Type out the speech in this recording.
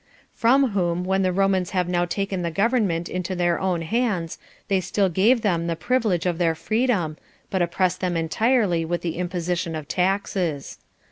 From whom, when the Romans have now taken the government into their own hands, they still gave them the privilege of their freedom, but oppress them entirely with the imposition of taxes.